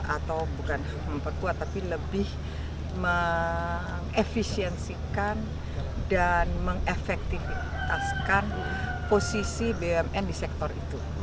atau bukan memperkuat tapi lebih mengefisiensikan dan mengefektivitaskan posisi bumn di sektor itu